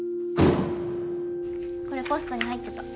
これポストに入ってた。